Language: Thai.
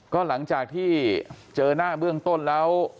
ก็หลังจากที่เจอหน้าเบื้องต้นแล้ว